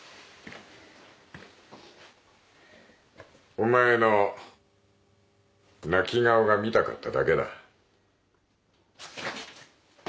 お前の泣き顔が見たかっただけだ。